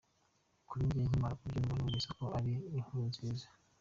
Kuri njye nkimara kubyumva numvise ko ari inkuru nziza.